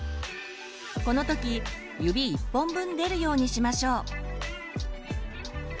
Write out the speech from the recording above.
この時指１本分出るようにしましょう。